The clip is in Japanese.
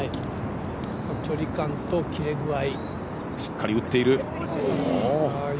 距離感と切れ具合。